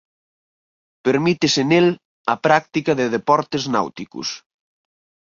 Permítese nel a práctica de deportes náuticos.